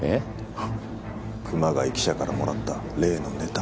ふっ熊谷記者からもらった例のネタ。